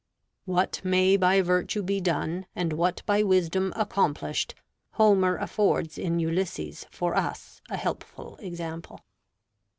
(What may by virtue be done, and what by wisdom accomplished, Homer affords in Ulysses for us a helpful example.)